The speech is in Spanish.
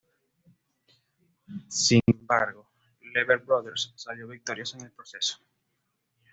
Sin embargo, "Lever Brothers" salió victoriosa en el proceso.